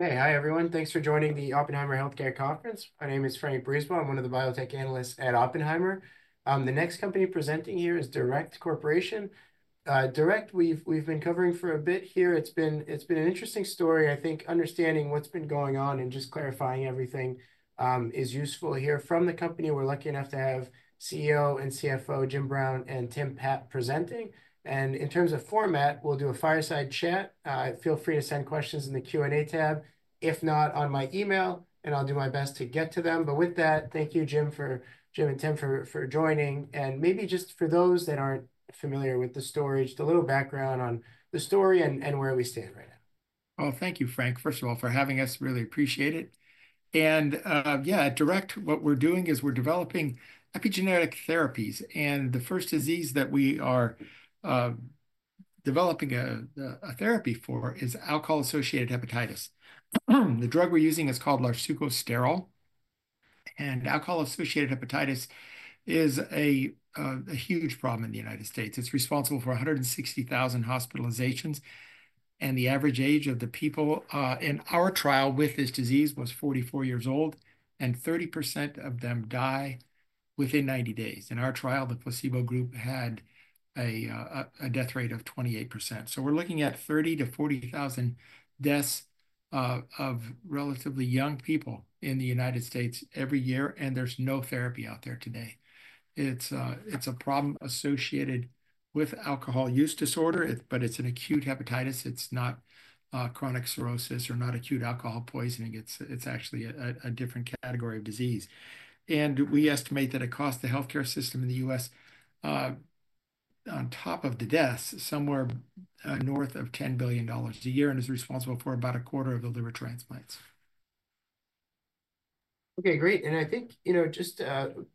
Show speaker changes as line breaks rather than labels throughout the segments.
Hey, hi everyone. Thanks for joining the Oppenheimer Healthcare Conference. My name is Frank Brisebois. I'm one of the biotech analysts at Oppenheimer. The next company presenting here is DURECT Corporation. DURECT, we've been covering for a bit here. It's been an interesting story. I think understanding what's been going on and just clarifying everything is useful here. From the company, we're lucky enough to have CEO and CFO Jim Brown and Tim Papp presenting. In terms of format, we'll do a fireside chat. Feel free to send questions in the Q&A tab. If not, on my email, and I'll do my best to get to them. Thank you, Jim and Tim, for joining. Maybe just for those that aren't familiar with the story, just a little background on the story and where we stand right now.
Thank you, Frank, first of all, for having us. Really appreciate it. Yeah, DURECT, what we're doing is we're developing epigenetic therapies. The first disease that we are developing a therapy for is alcohol-associated hepatitis. The drug we're using is called larsucosterol. Alcohol-associated hepatitis is a huge problem in the United States. It's responsible for 160,000 hospitalizations. The average age of the people in our trial with this disease was 44 years old, and 30% of them die within 90 days. In our trial, the placebo group had a death rate of 28%. We're looking at 30,000-40,000 deaths of relatively young people in the United States every year, and there's no therapy out there today. It's a problem associated with alcohol use disorder, but it's an acute hepatitis. It's not chronic cirrhosis or not acute alcohol poisoning. It's actually a different category of disease. We estimate that it costs the healthcare system in the US, on top of the deaths, somewhere north of $10 billion a year and is responsible for about a quarter of the liver transplants.
Okay, great. I think, you know, just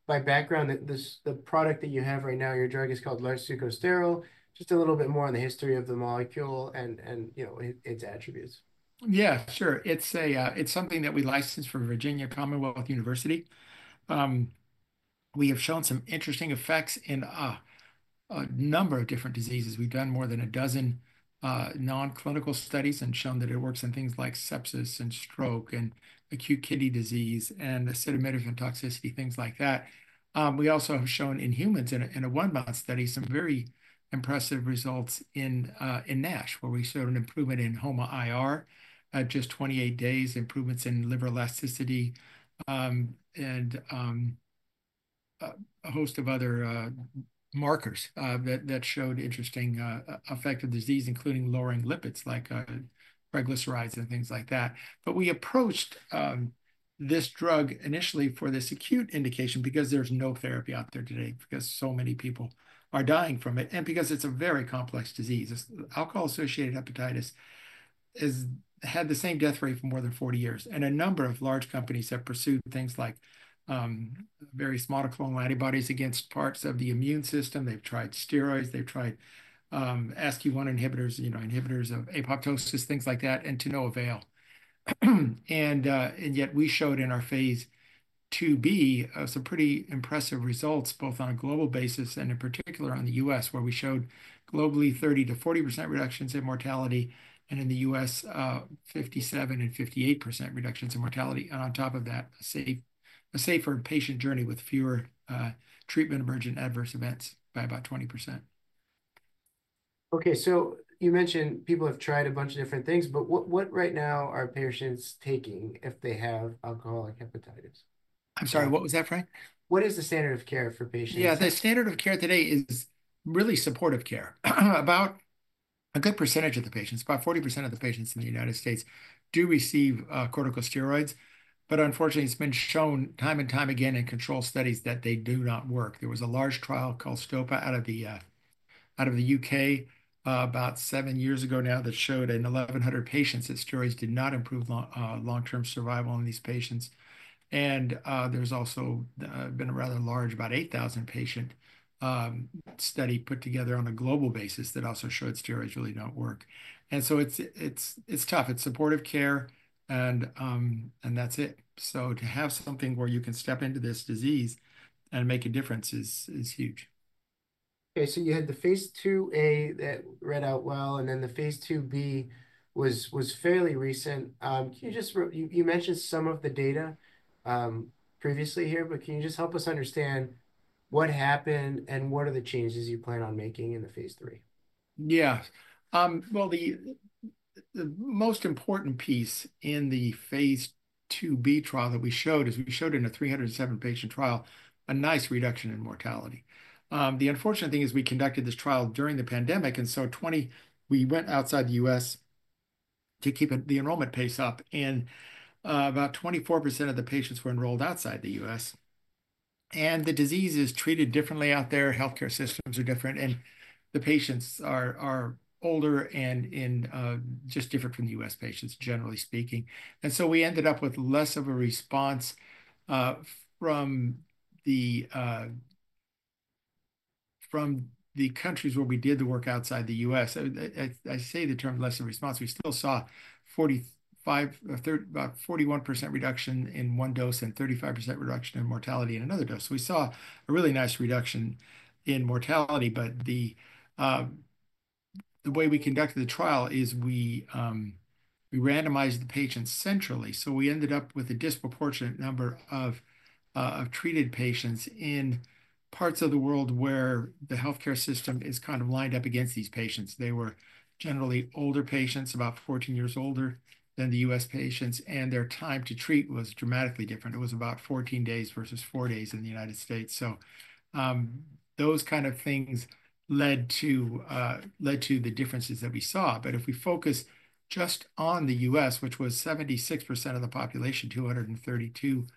by background, the product that you have right now, your drug is called larsucosterol. Just a little bit more on the history of the molecule and its attributes.
Yeah, sure. It's something that we licensed from Virginia Commonwealth University. We have shown some interesting effects in a number of different diseases. We've done more than a dozen nonclinical studies and shown that it works in things like sepsis and stroke and acute kidney disease and acetaminophen toxicity, things like that. We also have shown in humans in a one-month study some very impressive results in NASH, where we showed an improvement in HOMA-IR at just 28 days, improvements in liver elasticity, and a host of other markers that showed interesting effects of disease, including lowering lipids like triglycerides and things like that. We approached this drug initially for this acute indication because there's no therapy out there today, because so many people are dying from it, and because it's a very complex disease. Alcohol-associated hepatitis has had the same death rate for more than 40 years. A number of large companies have pursued things like various monoclonal antibodies against parts of the immune system. They've tried steroids. They've tried ASK1 inhibitors, you know, inhibitors of apoptosis, things like that, and to no avail. Yet we showed in our phase II-B some pretty impressive results both on a global basis and in particular in the U.S., where we showed globally 30%-40% reductions in mortality and in the U.S., 57% and 58% reductions in mortality. On top of that, a safer patient journey with fewer treatment-emergent adverse events by about 20%.
Okay, you mentioned people have tried a bunch of different things, but what right now are patients taking if they have alcoholic hepatitis?
I'm sorry, what was that, Frank?
What is the standard of care for patients?
Yeah, the standard of care today is really supportive care. About a good percentage of the patients, about 40% of the patients in the United States do receive corticosteroids. Unfortunately, it's been shown time and time again in control studies that they do not work. There was a large trial called STOPAH out of the U.K. about seven years ago now that showed in 1,100 patients that steroids did not improve long-term survival in these patients. There's also been a rather large, about 8,000-patient study put together on a global basis that also showed steroids really don't work. It's tough. It's supportive care, and that's it. To have something where you can step into this disease and make a difference is huge.
Okay, you had the phase II-A that read out well, and then the phase II-B was fairly recent. Can you just, you mentioned some of the data previously here, but can you just help us understand what happened and what are the changes you plan on making in the phase III?
Yeah. The most important piece in the phase II-B trial that we showed is we showed in a 307-patient trial a nice reduction in mortality. The unfortunate thing is we conducted this trial during the pandemic, and we went outside the U.S. to keep the enrollment pace up, and about 24% of the patients were enrolled outside the U.S. The disease is treated differently out there. Healthcare systems are different, and the patients are older and just different from the U.S. patients, generally speaking. We ended up with less of a response from the countries where we did the work outside the U.S. I say the term less of a response. We still saw about 41% reduction in one dose and 35% reduction in mortality in another dose. We saw a really nice reduction in mortality, but the way we conducted the trial is we randomized the patients centrally. We ended up with a disproportionate number of treated patients in parts of the world where the healthcare system is kind of lined up against these patients. They were generally older patients, about 14 years older than the U.S. patients, and their time to treat was dramatically different. It was about 14 days versus four days in the United States. Those kind of things led to the differences that we saw. If we focus just on the U.S., which was 76% of the population, 232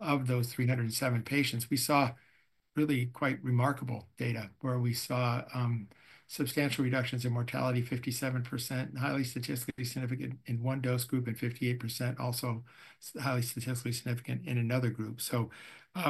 of those 307 patients, we saw really quite remarkable data where we saw substantial reductions in mortality, 57%, highly statistically significant in one dose group, and 58% also highly statistically significant in another group.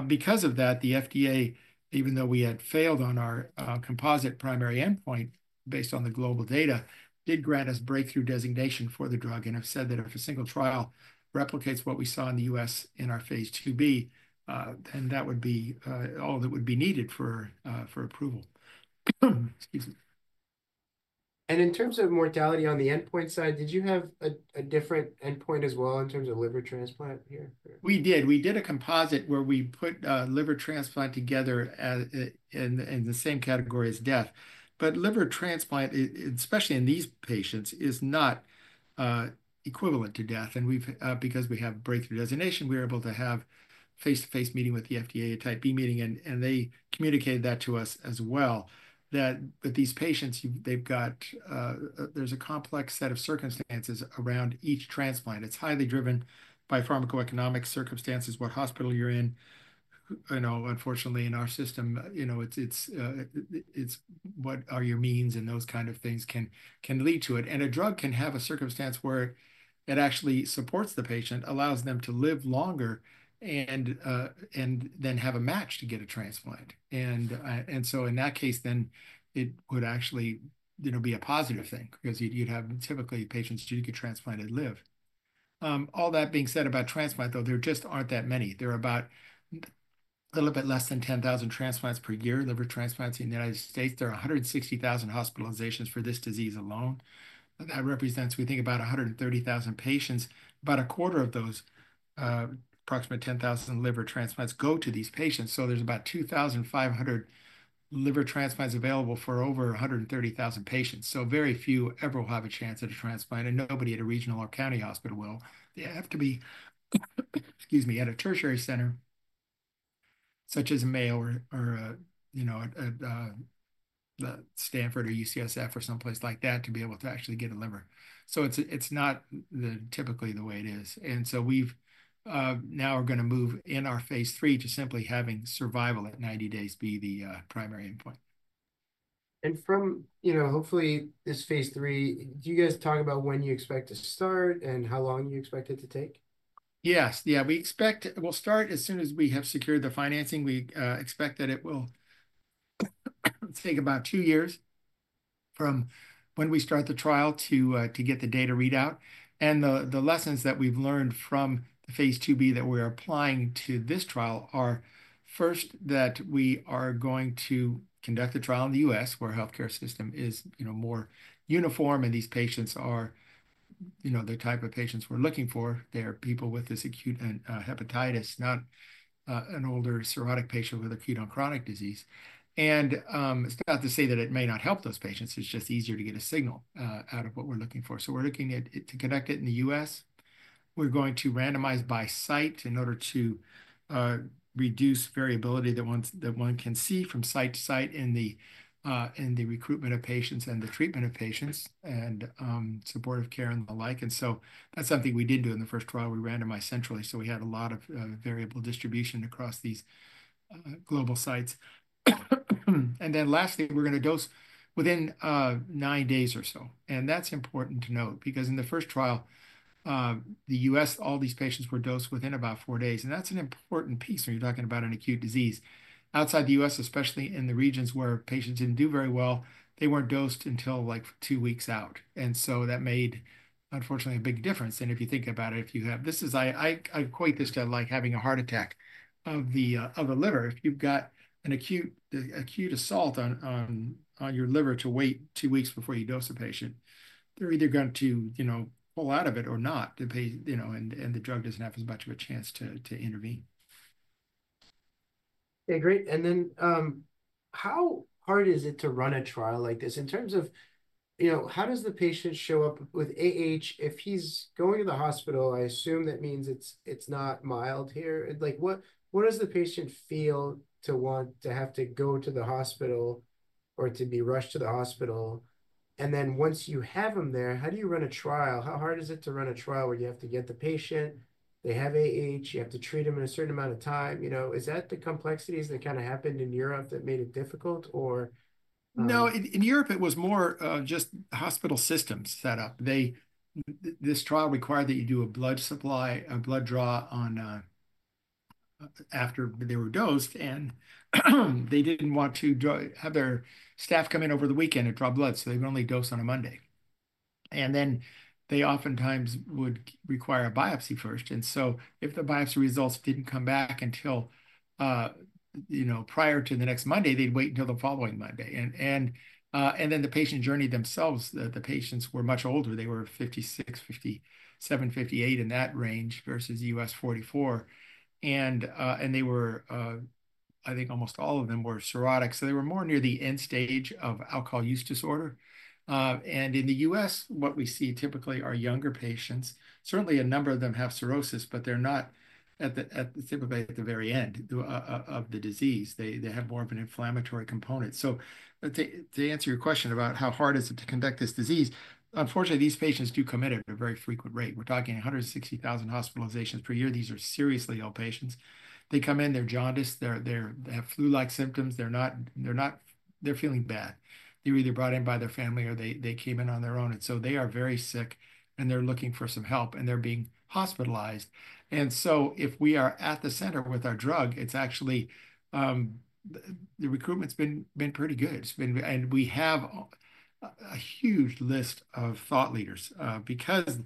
Because of that, the FDA, even though we had failed on our composite primary endpoint based on the global data, did grant us breakthrough designation for the drug and have said that if a single trial replicates what we saw in the U.S. in our phase II-B, then that would be all that would be needed for approval.
In terms of mortality on the endpoint side, did you have a different endpoint as well in terms of liver transplant here?
We did. We did a composite where we put liver transplant together in the same category as death. Liver transplant, especially in these patients, is not equivalent to death. Because we have breakthrough designation, we were able to have face-to-face meeting with the FDA, a Type B meeting, and they communicated that to us as well that with these patients, there is a complex set of circumstances around each transplant. It is highly driven by pharmacoeconomic circumstances, what hospital you are in. You know, unfortunately, in our system, you know, it is what are your means and those kind of things can lead to it. A drug can have a circumstance where it actually supports the patient, allows them to live longer, and then have a match to get a transplant. In that case, then it would actually be a positive thing because you'd have typically patients who could transplant and live. All that being said about transplant, though, there just aren't that many. There are a little bit less than 10,000 transplants per year, liver transplants in the United States. There are 160,000 hospitalizations for this disease alone. That represents, we think, about 130,000 patients. About a quarter of those, approximately 10,000 liver transplants, go to these patients. There are about 2,500 liver transplants available for over 130,000 patients. Very few ever will have a chance at a transplant, and nobody at a regional or county hospital will. They have to be, excuse me, at a tertiary center such as Mayo or Stanford or UCSF or someplace like that to be able to actually get a liver. It is not typically the way it is. We have now are going to move in our phase III to simply having survival at 90 days be the primary endpoint.
From, you know, hopefully this phase III, do you guys talk about when you expect to start and how long you expect it to take?
Yes. Yeah, we expect we'll start as soon as we have secured the financing. We expect that it will take about two years from when we start the trial to get the data readout. The lessons that we've learned from the phase II-B that we're applying to this trial are first that we are going to conduct the trial in the U.S. where healthcare system is more uniform and these patients are, you know, the type of patients we're looking for. They are people with this acute hepatitis, not an older cirrhotic patient with acute-on-chronic disease. It's not to say that it may not help those patients. It's just easier to get a signal out of what we're looking for. We are looking at to connect it in the U.S. We're going to randomize by site in order to reduce variability that one can see from site to site in the recruitment of patients and the treatment of patients and supportive care and the like. That's something we didn't do in the first trial. We randomized centrally. We had a lot of variable distribution across these global sites. Lastly, we're going to dose within nine days or so. That's important to note because in the first trial, the U.S., all these patients were dosed within about four days. That's an important piece when you're talking about an acute disease. Outside the U.S., especially in the regions where patients didn't do very well, they weren't dosed until like two weeks out. That made, unfortunately, a big difference. If you think about it, if you have this, I equate this to like having a heart attack of the liver. If you've got an acute assault on your liver, to wait two weeks before you dose a patient, they're either going to pull out of it or not, you know, and the drug doesn't have as much of a chance to intervene.
Okay, great. How hard is it to run a trial like this? In terms of, you know, how does the patient show up with—if he's going to the hospital, I assume that means it's not mild here. Like, what does the patient feel to want to have to go to the hospital or to be rushed to the hospital? Once you have them there, how do you run a trial? How hard is it to run a trial where you have to get the patient? They have—you have to treat them in a certain amount of time. You know, is that the complexities that kind of happened in Europe that made it difficult or?
No, in Europe, it was more just hospital systems set up. This trial required that you do a blood supply, a blood draw after they were dosed. They did not want to have their staff come in over the weekend to draw blood. They would only dose on a Monday. They oftentimes would require a biopsy first. If the biopsy results did not come back until, you know, prior to the next Monday, they would wait until the following Monday. The patient journey themselves, the patients were much older. They were 56, 57, 58 in that range versus U.S. 44. I think almost all of them were cirrhotic. They were more near the end stage of alcohol use disorder. In the U.S., what we see typically are younger patients. Certainly, a number of them have cirrhosis, but they're not typically at the very end of the disease. They have more of an inflammatory component. To answer your question about how hard it is to conduct this disease, unfortunately, these patients do commit at a very frequent rate. We're talking 160,000 hospitalizations per year. These are seriously ill patients. They come in, they're jaundiced, they have flu-like symptoms, they're not, they're feeling bad. They're either brought in by their family or they came in on their own. They are very sick and they're looking for some help and they're being hospitalized. If we are at the center with our drug, actually the recruitment's been pretty good. We have a huge list of thought leaders because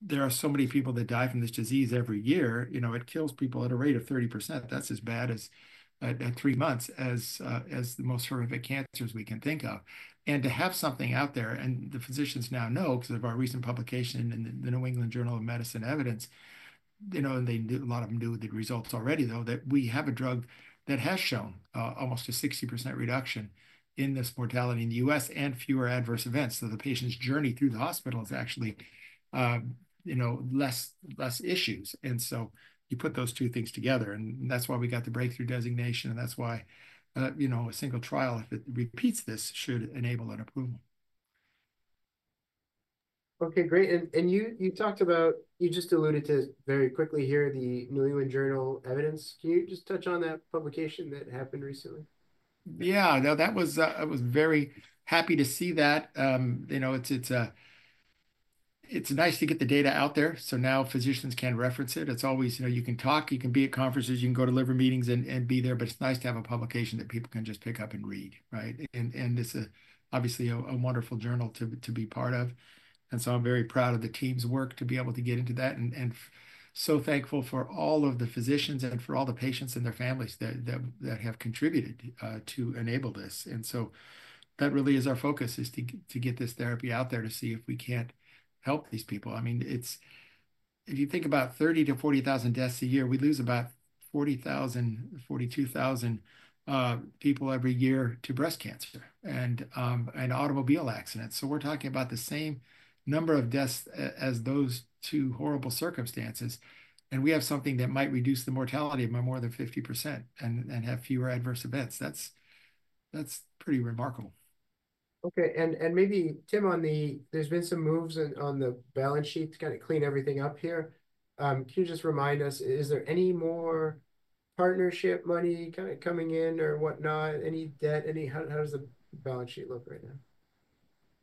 there are so many people that die from this disease every year. You know, it kills people at a rate of 30%. That's as bad as at three months as the most horrific cancers we can think of. To have something out there, and the physicians now know because of our recent publication in the New England Journal of Medicine Evidence, you know, and a lot of them knew the results already, though, that we have a drug that has shown almost a 60% reduction in this mortality in the U.S. and fewer adverse events. The patient's journey through the hospital is actually, you know, less issues. You put those two things together. That's why we got the breakthrough designation. That's why, you know, a single trial, if it repeats this, should enable an approval.
Okay, great. You talked about, you just alluded to very quickly here the New England Journal Evidence. Can you just touch on that publication that happened recently?
Yeah, no, that was, I was very happy to see that. You know, it's nice to get the data out there. So now physicians can reference it. It's always, you know, you can talk, you can be at conferences, you can go to liver meetings and be there, but it's nice to have a publication that people can just pick up and read, right? It's obviously a wonderful journal to be part of. I am very proud of the team's work to be able to get into that. I am so thankful for all of the physicians and for all the patients and their families that have contributed to enable this. That really is our focus, to get this therapy out there to see if we can't help these people. I mean, if you think about 30,000-40,000 deaths a year, we lose about 40,000, 42,000 people every year to breast cancer and automobile accidents. We are talking about the same number of deaths as those two horrible circumstances. We have something that might reduce the mortality by more than 50% and have fewer adverse events. That is pretty remarkable.
Okay. Maybe, Tim, on the, there's been some moves on the balance sheet to kind of clean everything up here. Can you just remind us, is there any more partnership money kind of coming in or whatnot? Any debt? How does the balance sheet look right now?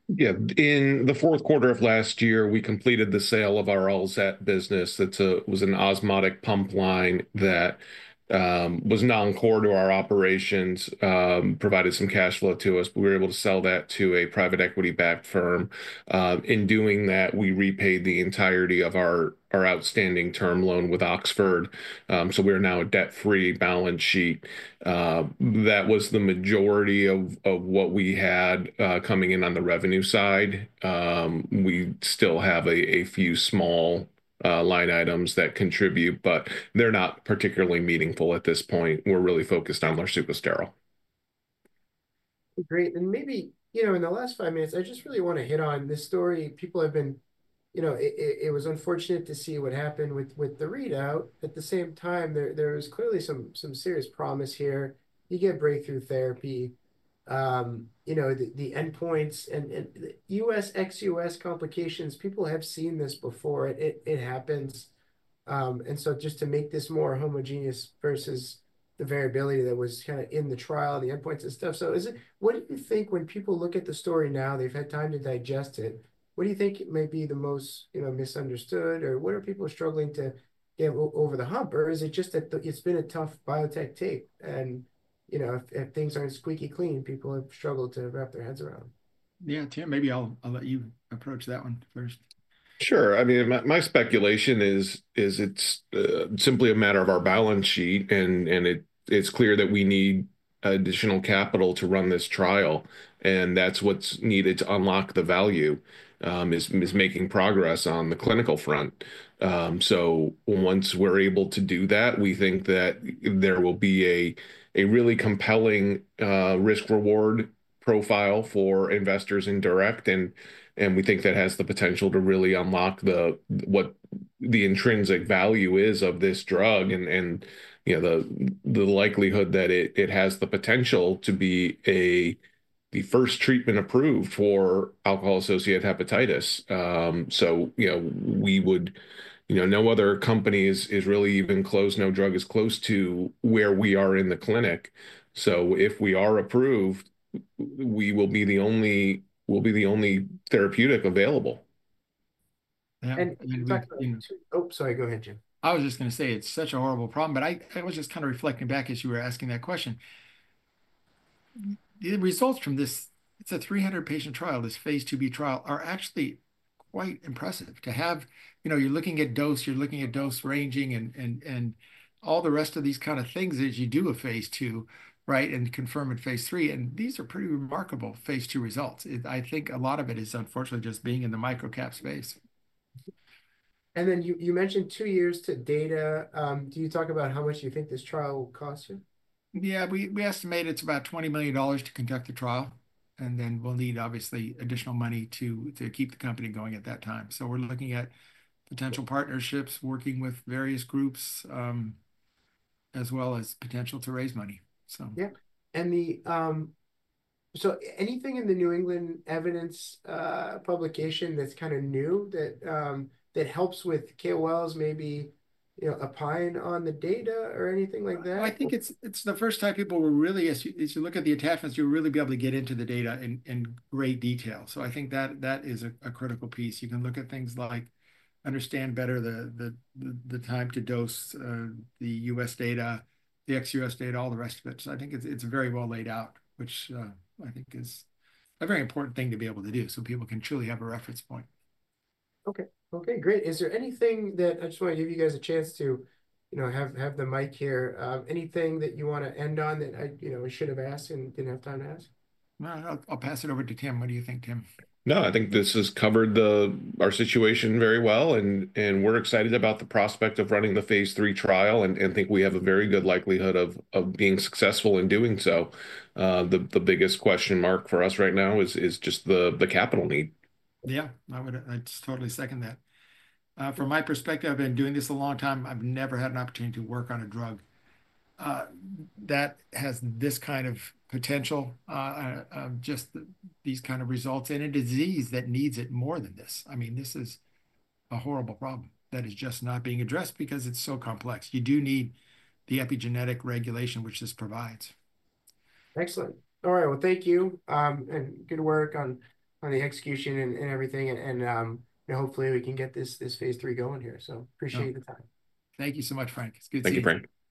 Yeah, in the fourth quarter of last year, we completed the sale of our ALZET business. It was an osmotic pump line that was non-core to our operations, provided some cash flow to us, but we were able to sell that to a private equity-backed firm. In doing that, we repaid the entirety of our outstanding term loan with Oxford. We are now a debt-free balance sheet. That was the majority of what we had coming in on the revenue side. We still have a few small line items that contribute, but they're not particularly meaningful at this point. We're really focused on larsucosterol.
Great. Maybe, you know, in the last five minutes, I just really want to hit on this story. People have been, you know, it was unfortunate to see what happened with the readout. At the same time, there was clearly some serious promise here. You get breakthrough therapy, you know, the endpoints and U.S. ex-U.S. complications, people have seen this before. It happens. Just to make this more homogeneous versus the variability that was kind of in the trial, the endpoints and stuff. What do you think when people look at the story now, they've had time to digest it? What do you think may be the most, you know, misunderstood or what are people struggling to get over the hump? Is it just that it's been a tough biotech tape? If things aren't squeaky clean, people have struggled to wrap their heads around.
Yeah, Tim, maybe I'll let you approach that one first.
Sure. I mean, my speculation is it's simply a matter of our balance sheet. It's clear that we need additional capital to run this trial. That's what's needed to unlock the value is making progress on the clinical front. Once we're able to do that, we think that there will be a really compelling risk-reward profile for investors in DURECT. We think that has the potential to really unlock what the intrinsic value is of this drug and, you know, the likelihood that it has the potential to be the first treatment approved for alcohol-associated hepatitis. You know, we would, you know, no other company is really even close, no drug is close to where we are in the clinic. If we are approved, we will be the only, we'll be the only therapeutic available.
In fact.
Oh, sorry, go ahead, Jim.
I was just going to say it's such a horrible problem, but I was just kind of reflecting back as you were asking that question. The results from this, it's a 300-patient trial, this phase II-B trial are actually quite impressive to have, you know, you're looking at dose, you're looking at dose ranging and all the rest of these kind of things as you do a phase II, right, and confirm in phase III. These are pretty remarkable phase II results. I think a lot of it is unfortunately just being in the microcap space.
You mentioned two years to data. Do you talk about how much you think this trial will cost you?
Yeah, we estimate it's about $20 million to conduct the trial. We will need obviously additional money to keep the company going at that time. We are looking at potential partnerships, working with various groups as well as potential to raise money.
Yep. Anything in the New England Evidence publication that's kind of new that helps with KOLs maybe, you know, opine on the data or anything like that?
I think it's the first time people were really, as you look at the attachments, you'll really be able to get into the data in great detail. I think that that is a critical piece. You can look at things like understand better the time to dose, the US data, the ex-U.S. data, all the rest of it. I think it's very well laid out, which I think is a very important thing to be able to do so people can truly have a reference point.
Okay. Okay, great. Is there anything that I just want to give you guys a chance to, you know, have the mic here? Anything that you want to end on that I, you know, should have asked and did not have time to ask?
I'll pass it over to Tim. What do you think, Tim?
No, I think this has covered our situation very well. We are excited about the prospect of running the phase III trial and think we have a very good likelihood of being successful in doing so. The biggest question mark for us right now is just the capital need.
Yeah, I would, I totally second that. From my perspective, I've been doing this a long time. I've never had an opportunity to work on a drug that has this kind of potential, just these kind of results. I mean, this is a horrible problem that is just not being addressed because it's so complex. You do need the epigenetic regulation, which this provides.
Excellent. All right. Thank you. Good work on the execution and everything. Hopefully we can get this phase III going here. I appreciate the time.
Thank you so much, Frank. It's good to see you.
Thank you, Frank.